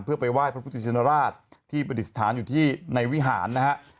เพื่อไปไหว้พระพุทธชินราชที่ประดิษฐานอยู่ที่ในวิหารนะฮะ